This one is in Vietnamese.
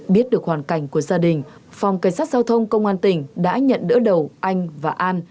biết được hoàn cảnh của gia đình phòng cảnh sát giao thông công an tỉnh đã nhận đỡ đầu anh và an